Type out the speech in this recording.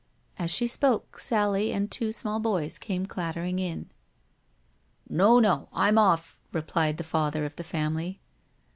As she spoke, Sally and two small boys came clattering in. " No, no, I'm off," replied the father of the family.